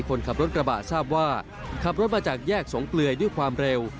คนขับรถกระบะทราบว่าขับรถมาจากแยกสงเปลือยด้วยความเร็ว